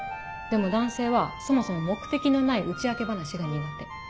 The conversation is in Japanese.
でも男性はそもそも目的のない打ち明け話が苦手。